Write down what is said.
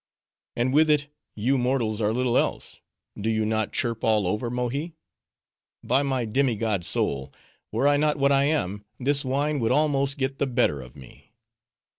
"And with it, you mortals are little else; do you not chirp all over, Mohi? By my demi god soul, were I not what I am, this wine would almost get the better of me."